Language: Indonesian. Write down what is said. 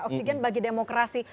oksigen bagi demokrasi